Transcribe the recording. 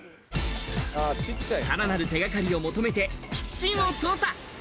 さらなる手掛かりを求めてキッチンを捜査。